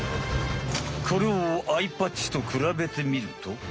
これをアイパッチとくらべてみると。